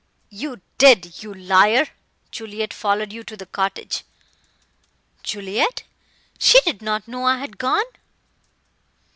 "You did, you liar! Juliet followed you to the cottage." "Juliet? She did not know I had gone."